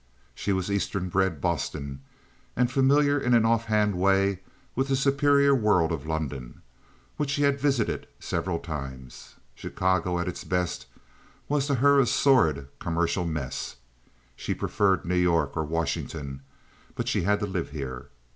She was Eastern bred Boston—and familiar in an offhand way with the superior world of London, which she had visited several times. Chicago at its best was to her a sordid commercial mess. She preferred New York or Washington, but she had to live here.